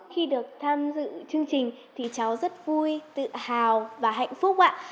khi được tham dự chương trình thì cháu rất vui tự hào và hạnh phúc ạ